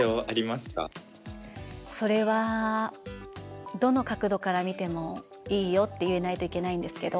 それはどの角度から見てもいいよって言えないといけないんですけど。